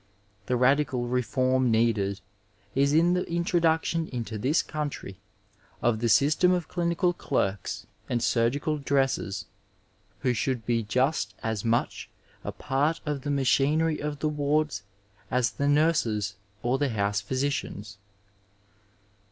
The radical reform needed is in the introduction into this country of the system of dinical clerks and surgical dressers, who should be just as much a part of the machinery of the wards as the nurses or the house physicians.